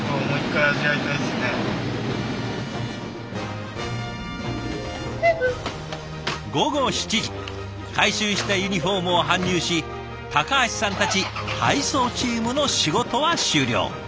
回収したユニフォームを搬入し橋さんたち配送チームの仕事は終了。